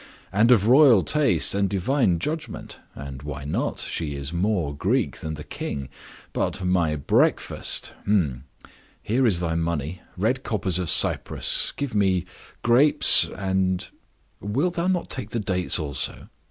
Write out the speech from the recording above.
"And of royal taste and divine judgment. And why not? She is more Greek than the king. But—my breakfast! Here is thy money—red coppers of Cyprus. Give me grapes, and—" "Wilt thou not take the dates also?"